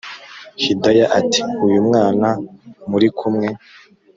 hidaya ati”uyu mwana murikumwe